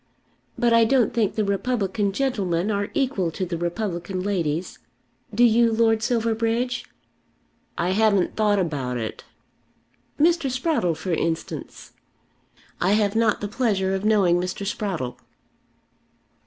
But I don't think the republican gentlemen are equal to the republican ladies. Do you, Lord Silverbridge?" "I haven't thought about it." "Mr. Sprottle for instance." "I have not the pleasure of knowing Mr. Sprottle."